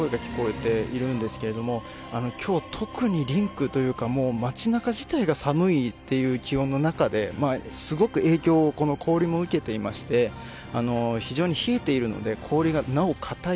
ちらほら選手の方からも声が聞こえているんですけれども今日、特にリンクというか街中自体が寒いという気温の中ですごく影響を氷も受けていまして非常に冷えているので、氷がなお硬い。